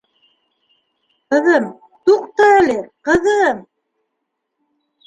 Ҡыҙым, туҡта әле, ҡыҙым!..